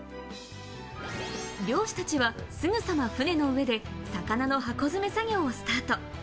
漁師たちはすぐさま船の上で魚の箱詰め作業をスタート。